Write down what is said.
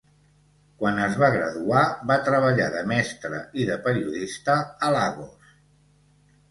Quan es va graduar, va treballar de mestre i de periodista a Lagos.